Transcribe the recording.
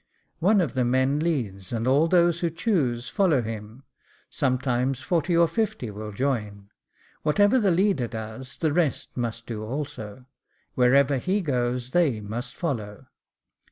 One of the men leads, and all who choose, follow him : sometimes forty or fifty will join. Whatever the leader does, the rest must do also ; wherever he goes they must follow.